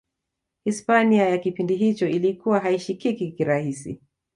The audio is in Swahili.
hispania ya kipindi hicho ilikuwa haishikiki kirahisi